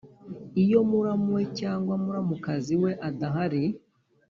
iyo muramu we cyangwa muramukazi we adahari